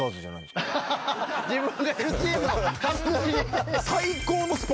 自分がいるチームの株主？